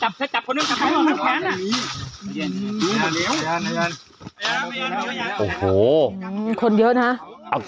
ตัดเลยตัดเลยตัดเลยอย่าไปเกียรติตัดเลยอย่าไปหยุดระวัง